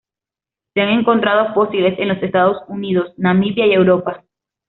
Se han encontrado fósiles en los Estados Unidos, Namibia y Europa.